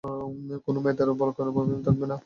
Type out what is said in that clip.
কোনও ম্যাথের বকবকানি থাকবে না।